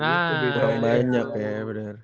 haa banyak ya bener